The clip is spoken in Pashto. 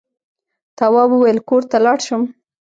تواب وويل: کور ته لاړ شم.